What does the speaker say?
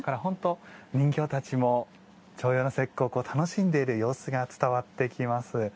人形たちも重陽の節句を楽しんでいる様子が伝わってきます。